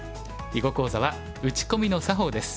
囲碁講座は「打ち込みの作法」です。